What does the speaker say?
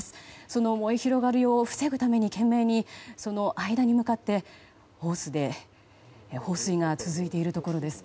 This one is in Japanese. その燃え広がりを防ぐために懸命に、その間に向かってホースで放水が続いているところです。